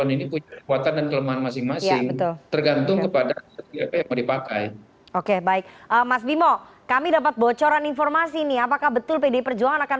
itu kan itu berarti kan melepaskan